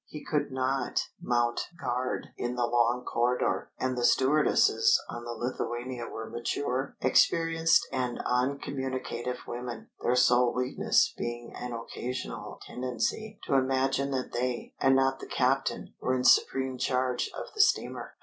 He could not mount guard in the long corridor; and the stewardesses on the Lithuania were mature, experienced and uncommunicative women, their sole weakness being an occasional tendency to imagine that they, and not the captain, were in supreme charge of the steamer.